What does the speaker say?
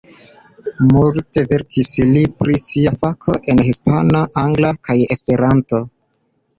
Multe verkis li pri sia fako en hispana, angla kaj esperanto.